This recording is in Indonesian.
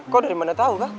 kok dari mana tau kak